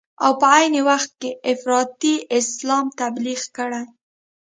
او په عین وخت کې افراطي اسلام تبلیغ کړي.